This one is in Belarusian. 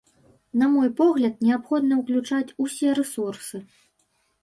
На мой погляд, неабходна ўключаць ўсе рэсурсы.